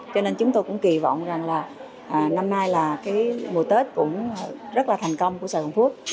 cho nên chúng tôi cũng kỳ vọng rằng năm nay mùa tết cũng rất là thành công của sài gòn phước